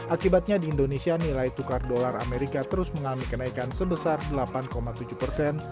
akibatnya di indonesia nilai tukar dolar amerika terus mengalami kenaikan sebesar delapan tujuh persen